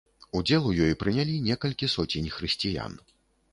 Удзел у ёй прынялі некалькі соцень хрысціян.